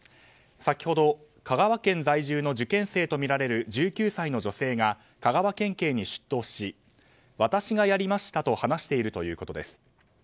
先ほど、香川県在住の受験生とみられる１９歳の女性が香川県警に出頭し私がやりましたと話しているということです。